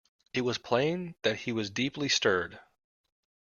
It was plain that he was deeply stirred.